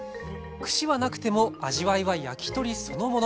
串はなくても味わいは焼き鳥そのもの。